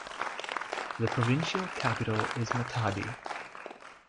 The provincial capital is Matadi.